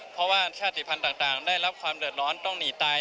เพราะว่าชาติภัณฑ์ต่างได้รับความเดือดร้อนต้องหนีตาย